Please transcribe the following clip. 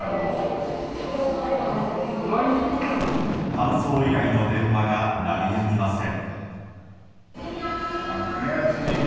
搬送依頼の電話が鳴りやみません。